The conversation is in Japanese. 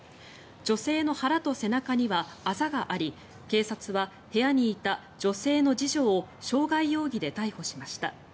女性の腹と背中にはあざがあり警察は部屋にいた女性の次女を傷害容疑で逮捕しました。